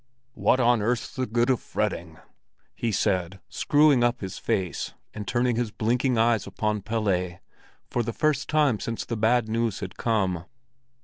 "What on earth's the good of fretting?" he said, screwing up his face and turning his blinking eyes upon Pelle—for the first time since the bad news had come.